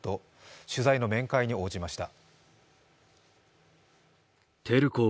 取材の面会に応じました。